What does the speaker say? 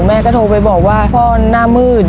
แม่ก็โทรไปบอกว่าพ่อหน้ามืด